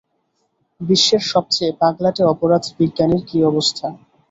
বিশ্বের সবচেয়ে পাগলাটে অপরাধ বিজ্ঞানীর কী অবস্থা?